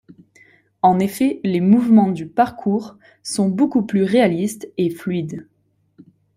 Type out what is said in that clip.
En effet, les mouvements du parkour sont beaucoup plus réalistes et fluides.